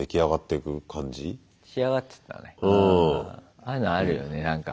ああいうのあるよねなんか。